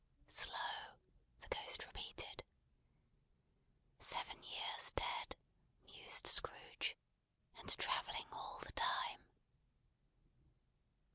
"Slow!" the Ghost repeated. "Seven years dead," mused Scrooge. "And travelling all the time!"